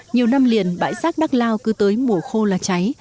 nhiều năm liền bãi rác đắk lao cứ tới mùa khô là cháy